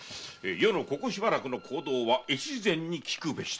「余のここしばらくの行動は越前に訊くべし」と。